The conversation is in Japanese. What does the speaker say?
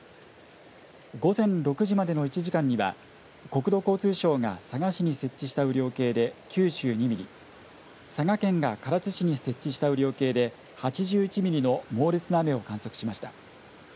午前６時までの１時間には国土交通省が佐賀市に設置した雨量計で９２ミリ、佐賀県が唐津市に設置した雨量計で８１ミリの猛烈な雨を観測しました。